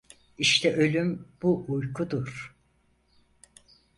İşte ölüm bu uykudur…